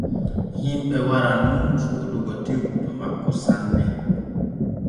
Himɓe waran nun soodugo tew to makko sanne.